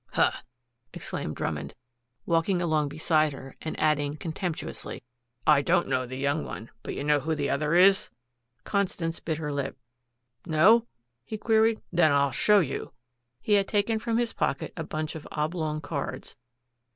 "Huh!" exclaimed Drummond, walking along beside her, and adding contemptuously, "I don't know the young one, but you know who the other is?" Constance bit her lip. "No?" he queried. "Then I'll show you." He had taken from his pocket a bunch of oblong cards.